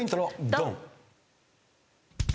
ドン！